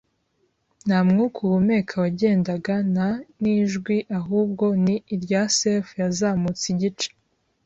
Nta mwuka uhumeka wagendaga, nta n'ijwi ahubwo ni irya serf yazamutse igice